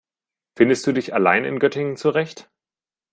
Findest du dich allein in Göttingen zurecht?